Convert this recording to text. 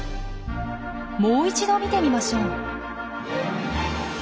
もう一度見てみましょう。